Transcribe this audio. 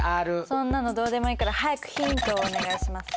そんなのどうでもいいから早くヒントをお願いします。